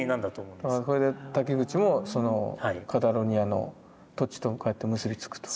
それで瀧口もそのカタロニアの土地とこうやって結び付くと。